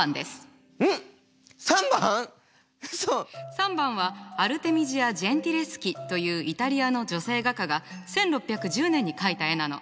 ３番はアルテミジア・ジェンティレスキというイタリアの女性画家が１６１０年に描いた絵なの。